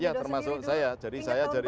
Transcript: iya termasuk saya jadi saya dari